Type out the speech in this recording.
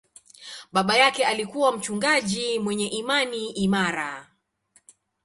Baba yake alikuwa mchungaji mwenye imani imara.